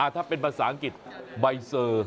ถ้าเป็นภาษาอังกฤษใบเซอร์